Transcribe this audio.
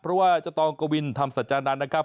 เพราะว่าท่องกวินทำสัญญานาคับ